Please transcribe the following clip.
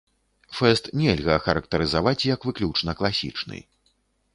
Фэст нельга ахарактарызаваць як выключна класічны.